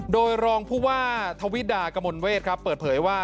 โดยรองผู้ว่าทวิดากมลเวทครับเปิดเผยว่า